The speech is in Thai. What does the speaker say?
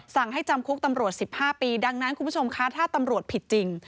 สั่งให้จำคุกตำรวจ๑๕ปีดังนั้นคุณผู้ชมคะถ้าตำรวจผิดจริง